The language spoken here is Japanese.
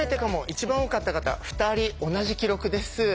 一番多かった方２人同じ記録です。